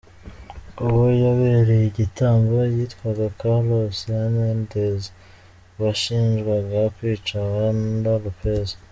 Uwo yabereye igitambo yitwaga Carlos Hernandez washinjwaga kwica Wanda Lopez.